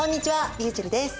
りゅうちぇるです。